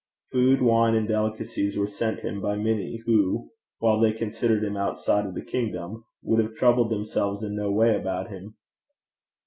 Food, wine, and delicacies were sent him by many who, while they considered him outside of the kingdom, would have troubled themselves in no way about him.